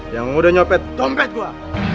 yang udah nyopet dompet gue